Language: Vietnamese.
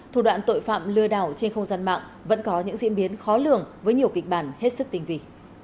thủ đoạn tội phạm lừa đảo trên không gian mạng vẫn có những diễn biến khó lường với nhiều kịch bản hết sức tinh vị